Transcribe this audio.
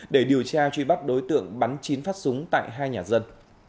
để điều tra truy bắt đối tượng bắn chín phát súng tại hai nhà dân